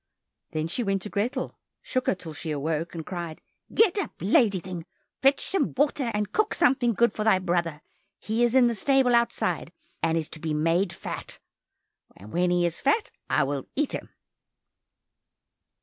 Then she went to Grethel, shook her till she awoke, and cried, "Get up, lazy thing, fetch some water, and cook something good for thy brother, he is in the stable outside, and is to be made fat. When he is fat, I will eat him."